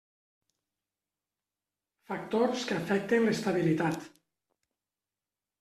Factors que afecten l'estabilitat.